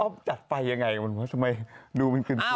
อนส์จัดไปยังไงแล้วทำไมดูมันคืนคืน